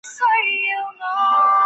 卡纳比街是英国的一条街道。